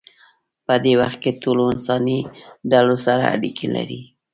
په دې وخت کې ټولو انساني ډلو سره اړیکې لرلې.